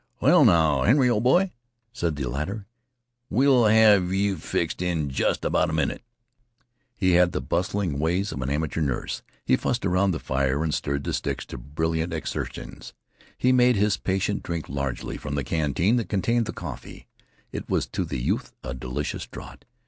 "Well, now, Henry, ol' boy," said the latter, "we'll have yeh fixed up in jest about a minnit." He had the bustling ways of an amateur nurse. He fussed around the fire and stirred the sticks to brilliant exertions. He made his patient drink largely from the canteen that contained the coffee. It was to the youth a delicious draught.